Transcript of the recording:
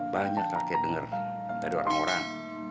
banyak kakek dengar dari orang orang